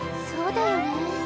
そうだよね。